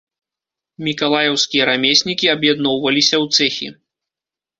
Мікалаеўскія рамеснікі аб'ядноўваліся ў цэхі.